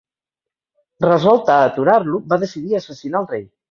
Resolt a aturar-lo, va decidir assassinar el rei.